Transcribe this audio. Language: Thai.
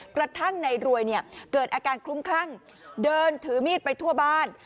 กระทั่งในรวยเนี่ยเกิดอาการคลุ้มคลั่งเดินถือมีดไปทั่วบ้าน